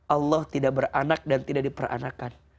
allah tidak beranak dan tidak diperanakan